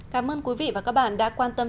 cảm ơn quý vị và các bạn đã quan tâm